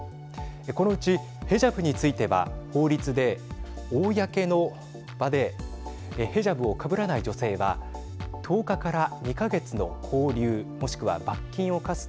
このうちヘジャブについては法律で公の場でヘジャブをかぶらない女性は１０日から２か月の拘留もしくは罰金を科す